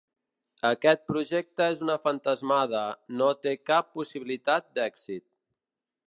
Aquest projecte és una fantasmada, no té cap possibilitat d'èxit.